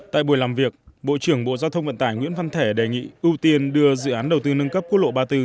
tại buổi làm việc bộ trưởng bộ giao thông vận tải nguyễn văn thể đề nghị ưu tiên đưa dự án đầu tư nâng cấp quốc lộ ba mươi bốn